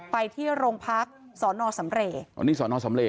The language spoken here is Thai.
ไปที่โรงพักศรนสำเร